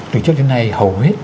từ trước đến nay hầu hết